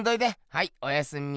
はいおやすみ。